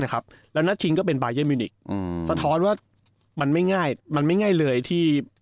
นะครับแล้วนัทชิงก็เป็นอืมสะท้อนว่ามันไม่ง่ายมันไม่ง่ายเลยที่